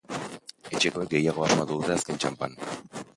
Etxekoek gehiago asmatu dute azken txanpan.